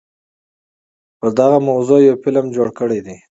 په دغه موضوع يو فلم جوړ کړے دے